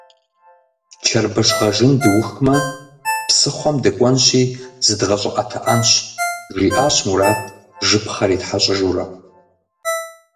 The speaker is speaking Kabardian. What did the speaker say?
«Чэрбыш гъэжын дыухымэ, псыхъуэм дыкӏуэнщи зыдгъэщӏыӏэтыӏэнщ», жиӏащ Мурат, жыпхъэр итхьэщыжурэ.